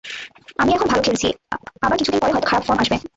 আমি এখন ভালো খেলছি, আবার কিছুদিন পরে হয়তো খারাপ ফর্ম আসবে।